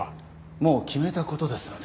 もう決めた事ですので。